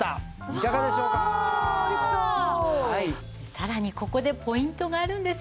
さらにここでポイントがあるんですよね。